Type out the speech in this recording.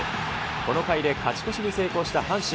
この回で勝ち越しに成功した阪神。